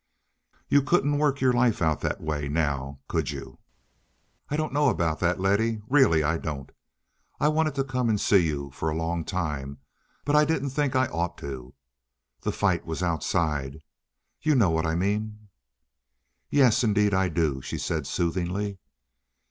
You couldn't work your life out that way—now, could you?" "I don't know about that, Letty. Really, I don't. I've wanted to come and see you for a long time, but I didn't think that I ought to. The fight was outside—you know what I mean." "Yes, indeed, I do," she said soothingly.